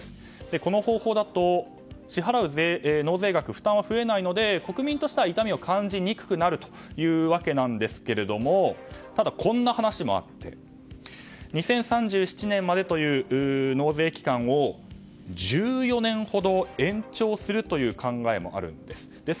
この方法だと支払う納税額負担は増えないので国民としては痛みは感じにくくなるわけですがただ、こんな話もあって２０３７年までという納税期間を１４年ほど延長するという考えもあるんです。